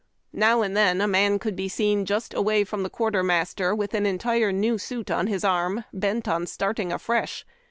Now and then a man could be seen just from the quartermaster with an entire new suit on his arm, bent on starting afresh.